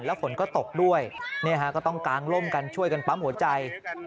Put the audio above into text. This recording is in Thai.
แล้วฝนก็ตกด้วยก็ต้องกางร่มกันช่วยกันปั๊มหัวใจ